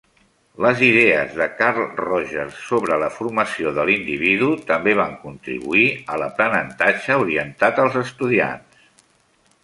Les idees de Carl Rogers sobre la formació de l'individu també van contribuir a l'aprenentatge orientat als estudiants.